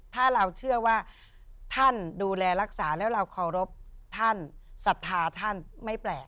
ถ้าเราเชื่อว่าท่านดูแลรักษาแล้วเราเคารพท่านศรัทธาท่านไม่แปลก